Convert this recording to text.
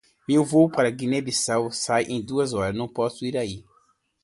Meu voo para Guiné-Bissau sai em duas horas, não posso ir aí.